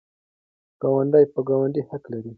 ګاونډی په ګاونډي حق لري.